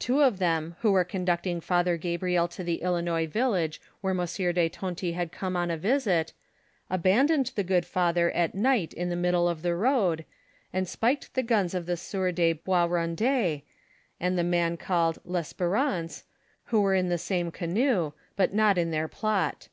Two of them who were conducting Father Gabriel to the Ilinois village where M. de Tonty had come on a visit, aban doned the good father at night in the middle of the road, and spiked the guns of the sieur de Boisrondet, and the man called Lesperance, who were in the same canoe, but not in their plot.